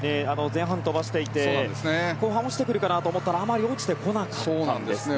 前半飛ばしていて後半落ちてくるかなと思ったらあまり落ちてこなかったんですね。